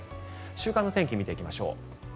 週間天気を見ていきましょう。